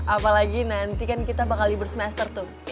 apalagi nanti kan kita bakal libur semester tuh